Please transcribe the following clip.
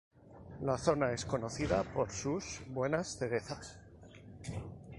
La zona es conocida por sus buenas cerezas.